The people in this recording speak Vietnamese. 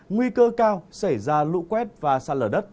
nguy cơ cao xảy ra lũ quét và sạt lở đất